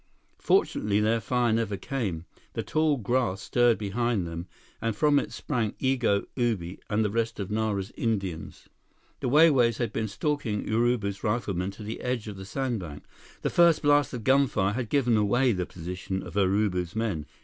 Fortunately their fire never came. The tall grass stirred behind them, and from it sprang Igo, Ubi, and the rest of Nara's Indians. The Wai Wais had been stalking Urubu's riflemen to the edge of the sandbank. The first blast of gunfire had given away the position of Urubu's men.